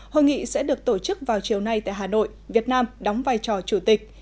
hội nghị sẽ được tổ chức vào chiều nay tại hà nội việt nam đóng vai trò chủ tịch